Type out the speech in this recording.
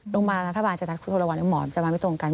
โรงพยาบาลรัฐบาลจะนัดคุณโทรวันแล้วหมอจะมาไม่ตรงกัน